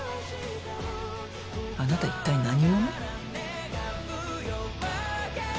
あなた一体何者？